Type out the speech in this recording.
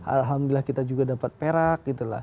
alhamdulillah kita juga dapat perak